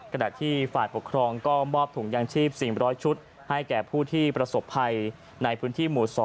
ขณะที่ฝ่ายปกครองก็มอบถุงยางชีพ๔๐๐ชุดให้แก่ผู้ที่ประสบภัยในพื้นที่หมู่๒